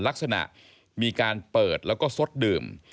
ลักษณะมีการเปิดแล้วก็ซดดื่ม